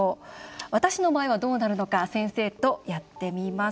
私の場合はどうなるのか先生とやってみます。